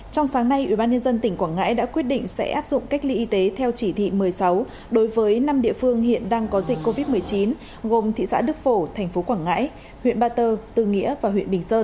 trong sáng nay ubnd tỉnh quảng ngãi đã quyết định sẽ áp dụng cách ly y tế theo chỉ thị một mươi sáu đối với năm địa phương hiện đang có dịch covid một mươi chín gồm thị xã đức phổ thành phố quảng ngãi huyện ba tơ tư nghĩa và huyện bình sơn